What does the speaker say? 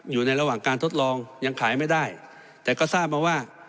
อยู่ในระหว่างการทดลองยังขายไม่ได้แต่ก็ทราบมาว่า